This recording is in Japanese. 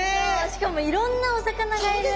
しかもいろんなお魚がいる！